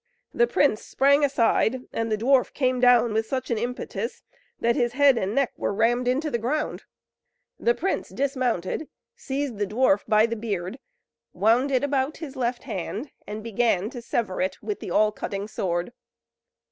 The prince sprang aside, and the dwarf came down, with such an impetus, that his head and neck were rammed into the ground. The prince dismounted, seized the dwarf by the beard, wound it about his left hand, and began to sever it with the All Cutting Sword.